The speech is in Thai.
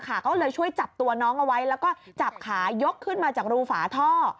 ก็เลยช่วยจับตัวน้องเอาไว้แล้วก็จับขายกขึ้นมาจากรูฝาท่อ